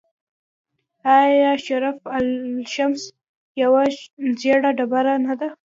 آیا شرف الشمس یوه ژیړه ډبره نه ده؟